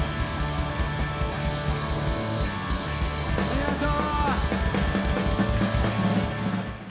ありがとう！